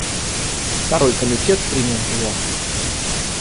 Второй комитет принял его.